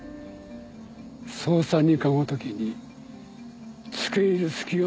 捜査２課ごときに付け入る隙を与えた事を。